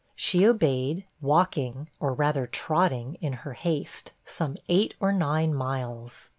She obeyed, walking, or rather trotting, in her haste, some eight or nine miles.